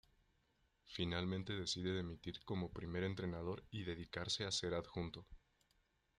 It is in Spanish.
Finalmente decide dimitir como primer entrenador y dedicarse a ser adjunto.